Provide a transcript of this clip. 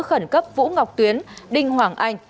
khẩn cấp vũ ngọc tuyến đinh hoàng anh